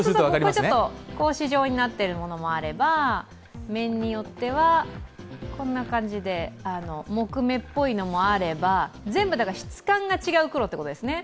格子状になっているものもあれば面によっては木目っぽいのもあれば全部質感が違う黒ということですね。